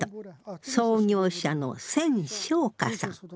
創業者の銭小華さん。